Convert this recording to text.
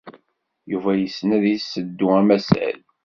Yuba yessen ad yesseddu amsasay.